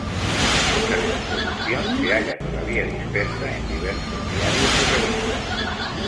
Mucha de su producción se halla todavía dispersa en diversos diarios y revistas.